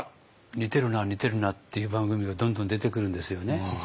似てるな似てるなっていう番組がどんどん出てくるんですよね。